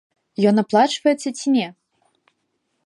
Ён аплачваецца ці не?